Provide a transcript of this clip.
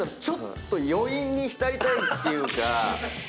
ちょっと余韻に浸りたいっていうか。